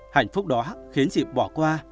hạnh phúc đó khiến chị bỏ qua